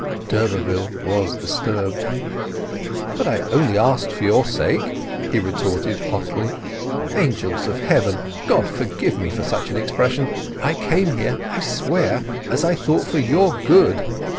D'Urberville was disturbed. "But I only asked for your sake!" he retorted hotly. "Angels of heaven!—God forgive me for such an expression—I came here, I swear, as I thought for your good.